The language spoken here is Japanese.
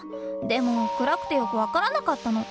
でも暗くてよく分からなかったの。